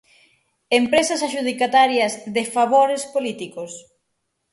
Empresas adxudicatarias de 'favores' políticos?